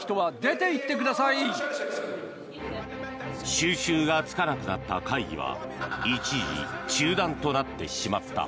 収拾がつかなくなった会議は一時、中断となってしまった。